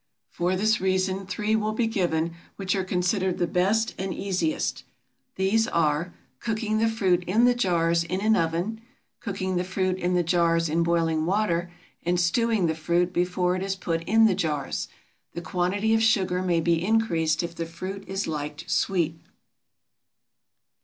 For this reason three will be given which are considered the best and easiest. These are: Cooking the fruit in the jars in an oven; cooking the fruit in the jars in boiling water; and stewing the fruit before it is put in the jars. The quantity of sugar may be increased if the fruit is liked sweet.